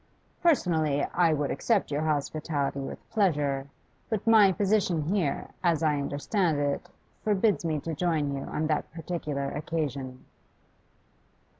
Personally, I would accept your hospitality with pleasure, but my position here, as I understand it, forbids me to join you on that particular occasion.